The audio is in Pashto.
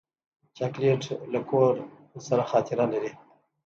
چاکلېټ له کور سره خاطره لري.